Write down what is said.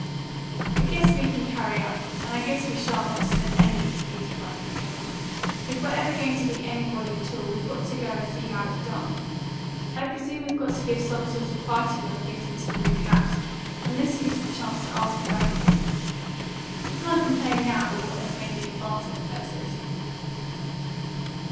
"I guess we can carry out, and I guess we shan't want to send any excuse," bragged the Colonel. "If we're ever going to be anybody at all, we've got to go and see how it's done. I presume we've got to give some sort of party when we get into the new house, and this gives the chance to ask 'em back again. You can't complain now but what they've made the advances, Persis?"